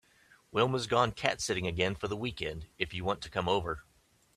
Wilma’s gone cat sitting again for the weekend if you want to come over.